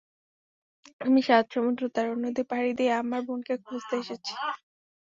আমি সাত সমুদ্র তেরো নদী পাড়ি দিয়ে আমার বোনকে খুঁজতে এসেছি।